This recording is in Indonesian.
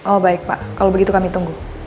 oh baik pak kalau begitu kami tunggu